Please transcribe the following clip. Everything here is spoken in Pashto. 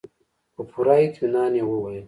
په پوره اطمينان يې وويل.